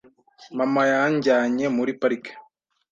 Mama yanjyanye muri parike .